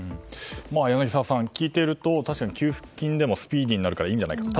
柳澤さん、聞いていると確かに給付金でもスピーディーなのでいいんじゃないかなと。